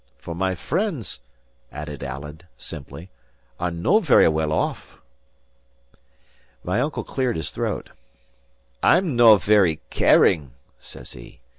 For my friends," added Alan, simply, "are no very well off." My uncle cleared his throat. "I'm no very caring," says he.